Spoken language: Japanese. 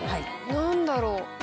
何だろう？